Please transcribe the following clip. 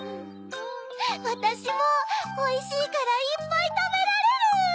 わたしもおいしいからいっぱいたべられる！